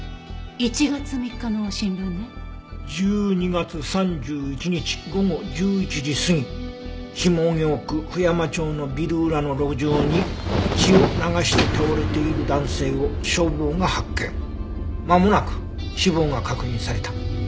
「１２月３１日午後１１時過ぎ「下京区布山町のビル裏の路上に血を流して倒れている男性を消防が発見まもなく死亡が確認された」